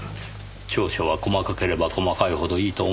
調書は細かければ細かいほどいいと思いますよ。